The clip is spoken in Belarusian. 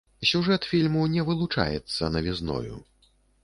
Сюжэт фільму не вылучаецца навізною.